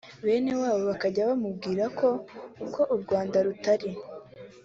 bene wabo bakajya bamubwira ko uko u Rwanda rutari